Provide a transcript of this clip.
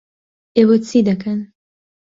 ئێوە چی دەکەن؟